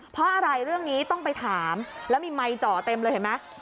เพราะอะไรเรื่องนี้ต้องไปถามแล้วมีไมค์เจาะเต็มเลยเห็นไหม